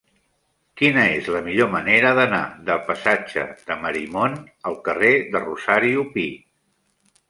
Quina és la millor manera d'anar del passatge de Marimon al carrer de Rosario Pi?